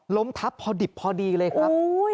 ล้มทับพอดิบพอดีเลยครับ